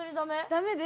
ダメで。